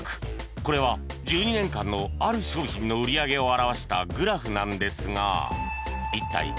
これは１２年間のある商品の売り上げを表したグラフなんですが